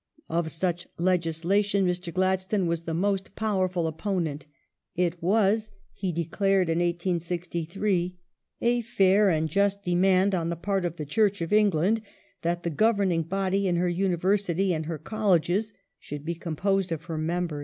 Of such legislation Mr. Gladstone was the most powerful opponent. " It was," he declared in 1863, " a fair and just demand on the part of the Church of England that the governing body in her Uni versity and her Colleges should be composed of her members."